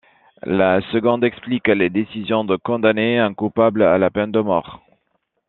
La seconde explique les décisions de condamner un coupable à la peine de mort.